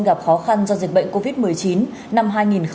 gặp khó khăn do dịch bệnh covid một mươi chín năm hai nghìn hai mươi